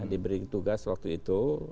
diberi tugas waktu itu